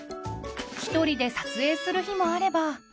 一人で撮影する日もあれば。